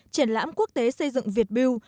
triển lãm quốc tế xây dựng việt bill